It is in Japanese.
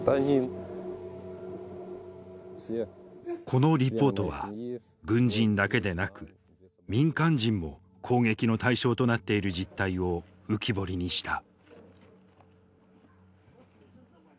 このリポートは軍人だけでなく民間人も攻撃の対象となっている実態を浮き彫りにした。